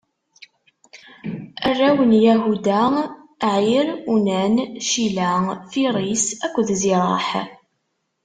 Arraw n Yahuda: Ɛir, Unan, Cila, Firiṣ akked Ziraḥ.